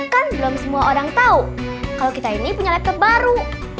kan belum semua orang tahu kalau kita ini punya laptop baru